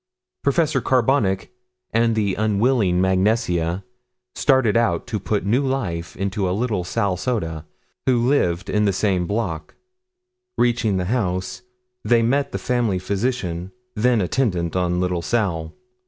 Professor Carbonic and the unwilling Mag Nesia started out to put new life into a little Sal Soda who lived in the same block. Reaching the house they met the family physician then attendant on little Sal.